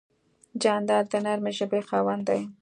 جانداد د نرمې ژبې خاوند دی.